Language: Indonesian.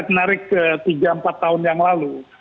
menarik ke tiga empat tahun yang lalu